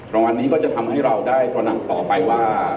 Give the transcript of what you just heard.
รางวัลนี้ก็จะทำให้เราได้ตระหนักต่อไปว่า